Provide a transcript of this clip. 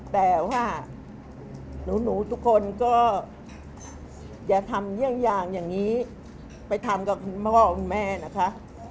แต่ว่าหนูทุกคนก็อย่าทำเยี่ยงอย่างอย่างนี้ไปทำกับคุณพ่อคุณแม่นะคะ